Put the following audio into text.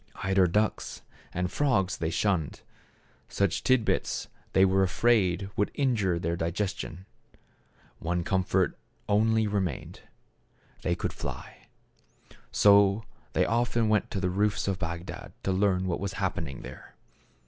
Eider ducks and frogs they shunned. Such tidbits they were afraid would injure their digestion. One com fort only remained; they could fly. So they often went to the roofs of Bagdad to learn what was happening there.